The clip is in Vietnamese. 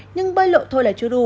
nhưng bơi lộ thôi là chưa đủ